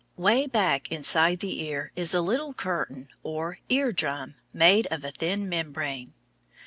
Way back inside the ear is a little curtain, or eardrum, made of a thin membrane.